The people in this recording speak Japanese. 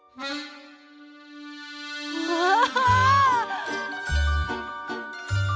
わあ！